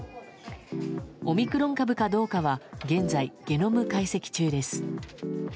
オミクロン株かどうかは現在、ゲノム解析中です。